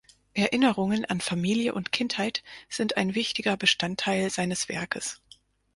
Erinnerungen an Familie und Kindheit sind ein wichtiger Bestandteil seines Werkes.